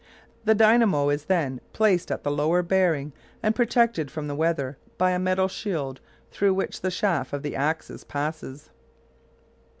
The dynamo is then placed at the lower bearing and protected from the weather by a metal shield through which the shaft of the axis passes.